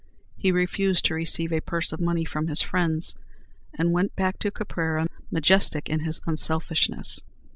He refused to receive a purse of money from his friends, and went back to Caprera, majestic in his unselfishness.